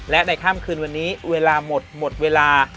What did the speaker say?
และในค่ำคืนวันนี้เวลาหมดหมดเวลา